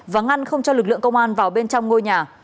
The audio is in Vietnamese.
và ngăn không cho lực lượng công an vào bên trong ngôi nhà